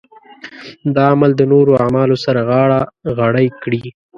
دا عمل د نورو اعمالو سره غاړه غړۍ کړي.